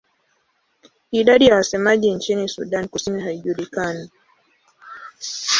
Idadi ya wasemaji nchini Sudan Kusini haijulikani.